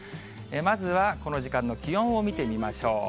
まずは、この時間の気温を見てみましょう。